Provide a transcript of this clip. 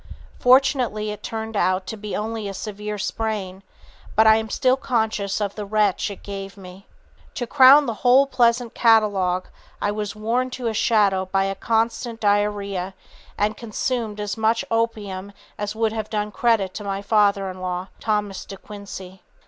Fortunately it turned out to be only a severe sprain, but I am still conscious of the wrench it gave me. To crown the whole pleasant catalogue, I was worn to a shadow by a constant diarrhoea and consumed as much opium as would have done credit to my father in law (Thomas De Quincey).